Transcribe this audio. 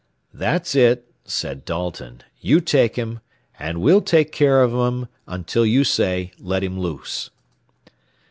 "That's it," said Dalton. "You take him, and we'll take care of him until you say let him loose."